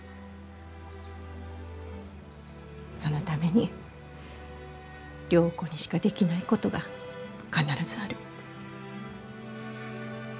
そのために良子にしかできないことが必ずある。